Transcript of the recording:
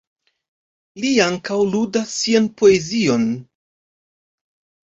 Li ankaŭ ludas sian poezion.